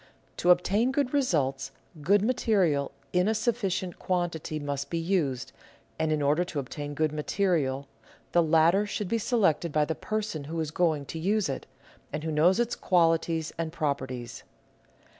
To obtain good results, good material in a sufficient quantity must be used, and, in order to obtain good material, the latter should be selected by the person who is going to use it, and who knows its qualities and properties.